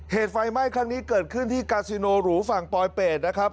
เหตุไฟไหม้ครั้งนี้เกิดขึ้นที่กาซิโนหรูฝั่งปลอยเป็ดนะครับ